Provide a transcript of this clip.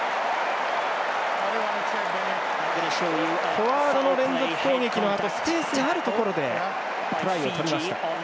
フォワードの連続攻撃のあとスペースのあるところでトライを取りました。